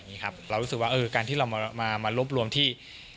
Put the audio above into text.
เรารู้สึกว่าการที่เรามารวบรวมที่